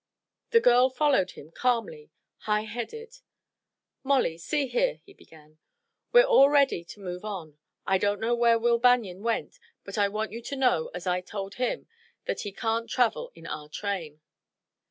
The girl followed him calmly, high headed. "Molly, see here," he began. "We're all ready to move on. I don't know where Will Banion went, but I want you to know, as I told him, that he can't travel in our train."